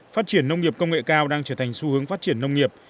phát triển nông nghiệp công nghệ cao đang trở thành xu hướng phát triển nông nghiệp